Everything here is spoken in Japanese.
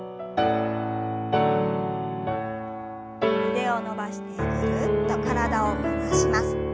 腕を伸ばしてぐるっと体を回します。